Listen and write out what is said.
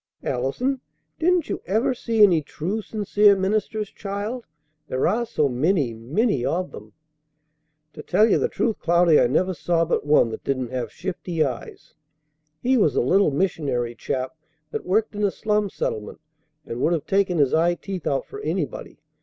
"Allison! Didn't you ever see any true, sincere ministers, child? There are so many, many of them!" "To tell you the truth, Cloudy, I never saw but one that didn't have shifty eyes. He was a little missionary chap that worked in a slum settlement and would have taken his eye teeth out for anybody.